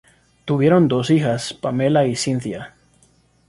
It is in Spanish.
Tuvieron dos hijas, Pamela y Cynthia.